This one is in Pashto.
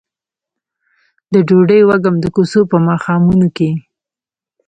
د ډوډۍ وږم د کوڅو په ماښامونو کې